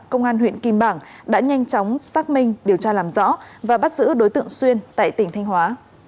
công an huyện kim bảng đã nhanh chóng xác minh điều tra làm rõ và bắt giữ đối tượng xuyên tại tỉnh thanh hóa